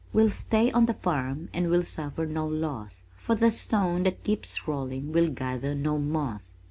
We'll stay on the farm and we'll suffer no loss For the stone that keeps rolling will gather no moss.